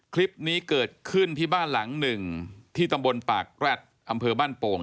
คลิปนี้เกิดขึ้นที่บ้านหลังหนึ่งที่ตำบลปากแร็ดอำเภอบ้านโป่ง